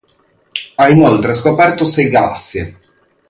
Ha inoltre scoperto sei galassie.